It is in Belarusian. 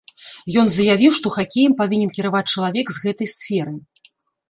Ён заявіў, што хакеем павінен кіраваць чалавек з гэтай сферы.